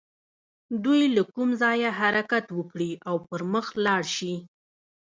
دوی له کوم ځايه حرکت وکړي او پر مخ لاړ شي.